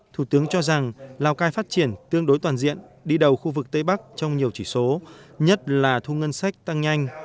thủ tướng cho rằng lào cai phát triển tương đối toàn diện đi đầu khu vực tây bắc trong nhiều chỉ số nhất là thu ngân sách tăng nhanh